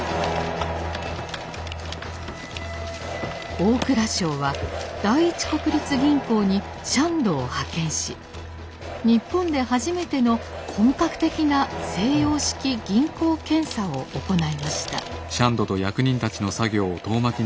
大蔵省は第一国立銀行にシャンドを派遣し日本で初めての本格的な西洋式銀行検査を行いました。